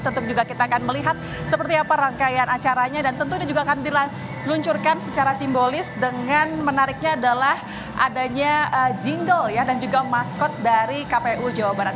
tentu juga kita akan melihat seperti apa rangkaian acaranya dan tentu ini juga akan diluncurkan secara simbolis dengan menariknya adalah adanya jingle dan juga maskot dari kpu jawa barat